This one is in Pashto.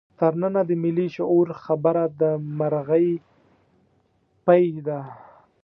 تر ننه د ملي شعور خبره د مرغۍ پۍ ده.